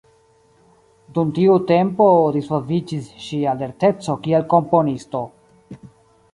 Dum tiu tempo disvolviĝis ŝia lerteco kiel komponisto.